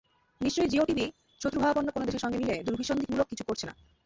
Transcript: নিশ্চয়ই Jio TV শত্রুভাবাপন্ন কোনো দেশের সঙ্গে মিলে দুরভিসন্ধিমূলক কিছু করছে না।